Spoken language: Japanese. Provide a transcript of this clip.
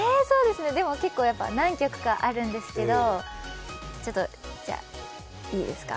結構、何曲かあるんですけどちょっといいですか？